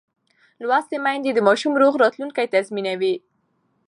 لوستې میندې د ماشوم روغ راتلونکی تضمینوي.